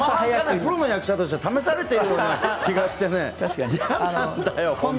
プロの役者として試されてる気がしてね。